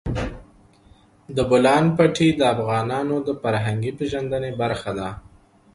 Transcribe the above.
د بولان پټي د افغانانو د فرهنګي پیژندنې برخه ده.